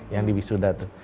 yang di wissudah tuh